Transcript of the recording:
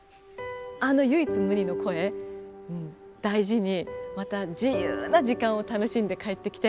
あの唯一無二の声大事にまた自由な時間を楽しんで帰ってきて。